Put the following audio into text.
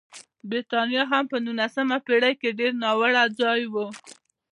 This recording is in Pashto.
برېټانیا هم په نولسمه پېړۍ کې ډېر ناوړه ځای و.